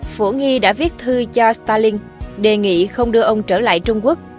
phổ nghi đã viết thư cho starlin đề nghị không đưa ông trở lại trung quốc